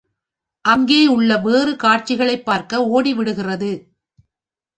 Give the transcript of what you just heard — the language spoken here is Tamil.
அங்கே உள்ள வேறு காட்சிகளைப் பார்க்க ஓடி விடுகிறது.